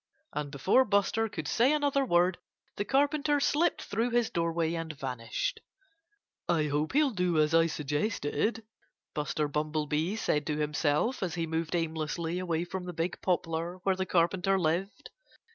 And before Buster could say another word the Carpenter slipped through his doorway and vanished. "I hope he'll do as I suggested," Buster Bumblebee said to himself, as he moved aimlessly away from the big poplar where the Carpenter lived.